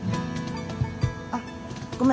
あっごめん。